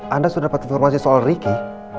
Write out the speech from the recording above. anda sudah dapat informasi soal ricky